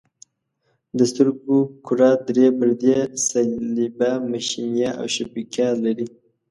د سترګو کره درې پردې صلبیه، مشیمیه او شبکیه لري.